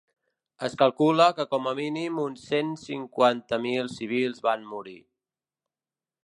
Es calcula que com a mínim uns cent cinquanta mil civils van morir.